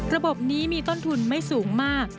ระบบนี้มีต้นทุนไม่สูงมาก